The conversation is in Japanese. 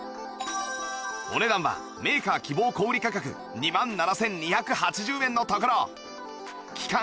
お値段はメーカー希望小売価格２万７２８０円のところ期間